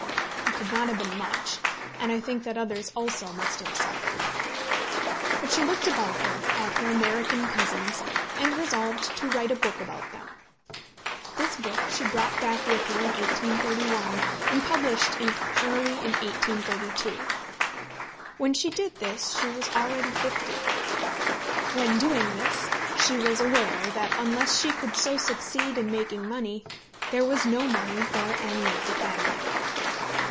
It could not have been much, and I think that others also must have suffered. But she looked about her, at her American cousins, and resolved to write a book about them. This book she brought back with her in 1831, and published it early in 1832. When she did this she was already fifty. When doing this she was aware that unless she could so succeed in making money, there was no money for any of the family.